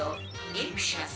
リンクします」。